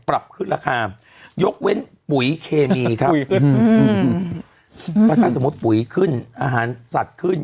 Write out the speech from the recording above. ปรับขึ้นราคายกเว้นปุ๋ยเคมีครับก็ถ้าสมมุติปุ๋ยขึ้นอาหารสัตว์ขึ้น